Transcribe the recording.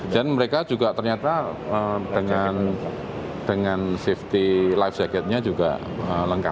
dan mereka juga ternyata dengan safety life jacket nya juga lengkap